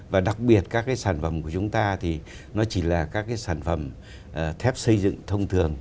và đặc biệt các cái sản phẩm của chúng ta thì nó chỉ là các cái sản phẩm thép xây dựng thông thường